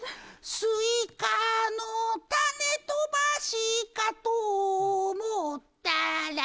「スイカの種飛ばしかと思ったら」